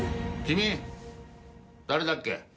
君誰だっけ？